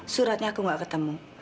suratnya aku gak ketemu